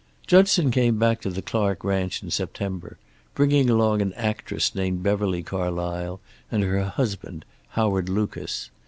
"Judson came back to the Clark ranch in September, bringing along an actress named Beverly Carlysle, and her husband, Howard Lucas.